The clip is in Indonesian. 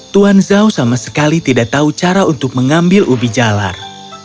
tuan zhao sama sekali tidak tahu cara untuk mengambil ubi jalar